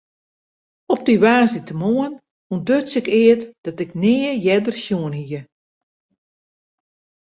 Op dy woansdeitemoarn ûntduts ik eat dat ik nea earder sjoen hie.